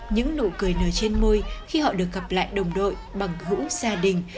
những nụ cười nở trên môi khi họ được gặp lại đồng đội bằng hữu gia đình